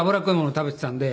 食べてたんで。